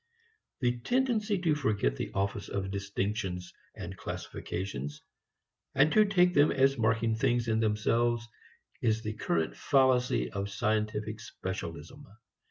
The tendency to forget the office of distinctions and classifications, and to take them as marking things in themselves, is the current fallacy of scientific specialism.